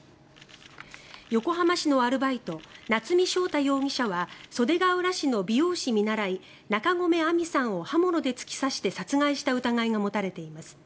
横浜市のアルバイト夏見翔太容疑者は袖ケ浦市の美容師見習い中込愛美さんを刃物で突き刺して殺害した疑いが持たれています。